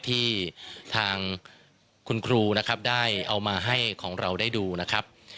ที่ทางคุณครูนะครับได้เอามาให้ของเราได้ดูนะครับ